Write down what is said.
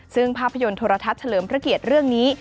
ซึ่งภาพยนตร์โทรทัศน์เฉลิมพระเกียรติเรื่องนี้